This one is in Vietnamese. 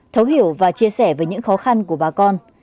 thấu hiểu và chia sẻ về những khó khăn của bà con